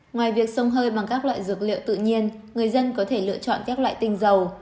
ngoài việc sông hơi bằng các loại dược liệu tự nhiên người dân có thể lựa chọn các loại tinh dầu